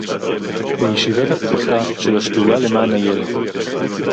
בישיבת הפתיחה של השדולה למען הילד